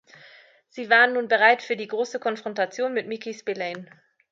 Sie waren nun bereit für die große Konfrontation mit Mickey Spillane.